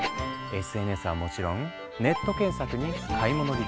ＳＮＳはもちろんネット検索に買い物履歴